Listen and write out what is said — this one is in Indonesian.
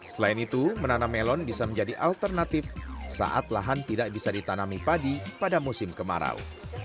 selain itu menanam melon bisa menjadi alternatif saat lahan tidak bisa ditanami padi pada musim kemarau